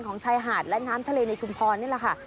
ชายหาดและน้ำทะเลในชุมพรนี่แหละค่ะ